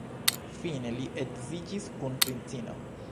Fine li edziĝis kun princino.